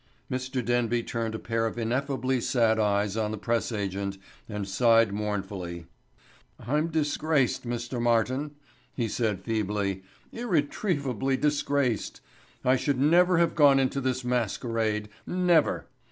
Mr. Denby turned a pair of ineffably sad eyes on the press agent and sighed mournfully. "I'm disgraced, Mr. Martin," he said feebly, "irretrievably disgraced. I should never have gone into this masquerade—never.